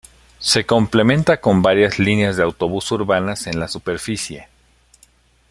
Se complementa con varias líneas de autobús urbanas en la superficie.